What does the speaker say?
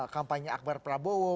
kampanye akbar prabowo